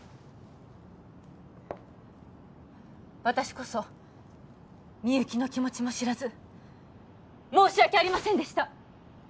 私こそみゆきの気持ちも知らず申し訳ありませんでした